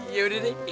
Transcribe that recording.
ya udah di